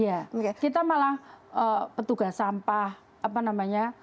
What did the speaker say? iya kita malah petugas sampah apa namanya